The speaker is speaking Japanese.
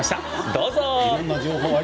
どうぞ。